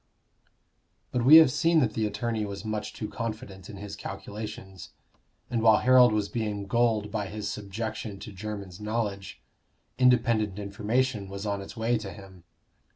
But we have seen that the attorney was much too confident in his calculations. And while Harold was being gulled by his subjection to Jermyn's knowledge, independent information was on its way to him.